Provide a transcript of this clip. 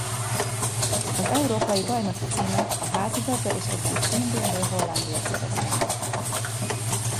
Az Európa-bajnoki címet a házigazda és egyben címvédő Hollandia szerezte meg.